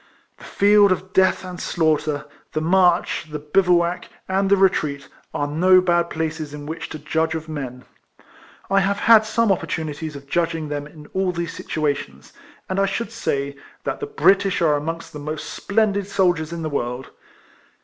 The field of death and slaughter, the march, the bivouac, and the retreat, are no bad places in which to judge of men. I have had some opportunities of judging them in all these situations, and I should say, that the British are amongst the most splendid soldiers in the world.